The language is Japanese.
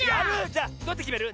じゃあどうやってきめる？